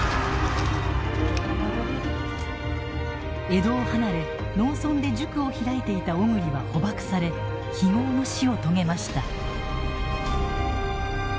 江戸を離れ農村で塾を開いていた小栗は捕縛され非業の死を遂げました。